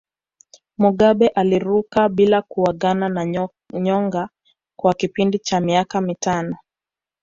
Mugabe aliruka bila kuagana na nyonga kwa kipindi cha miaka mitano